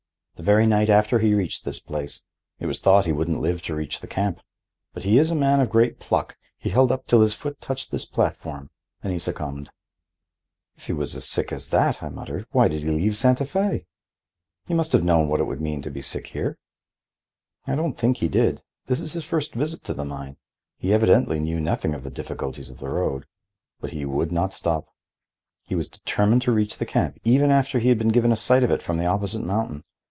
"The very night after he reached this place. It was thought he wouldn't live to reach the camp. But he is a man of great pluck. He held up till his foot touched this platform. Then he succumbed." "If he was as sick as that," I muttered, "why did he leave Santa Fe? He must have known what it would mean to be sick here." "I don't think he did. This is his first visit to the mine. He evidently knew nothing of the difficulties of the road. But he would not stop. He was determined to reach the camp, even after he had been given a sight of it from the opposite mountain.